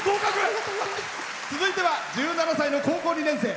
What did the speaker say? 続いては１７歳の高校２年生。